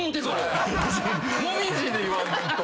「もみじ」で言わんと。